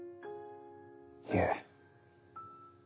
いえ。